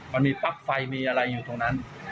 มันมีปลั๊กไฟมีอะไรอยู่ตรงนั้น